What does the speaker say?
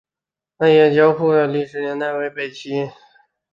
艾叶交石窟的历史年代为北齐。